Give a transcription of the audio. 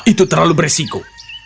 itu terlalu beresiko